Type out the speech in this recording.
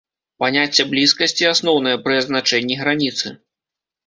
Паняцце блізкасці асноўнае пры азначэнні граніцы.